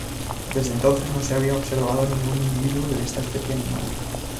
Desde entonces no se había observado ningún individuo de esta especie animal.